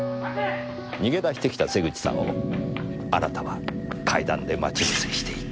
逃げ出してきた瀬口さんをあなたは階段で待ち伏せしていた。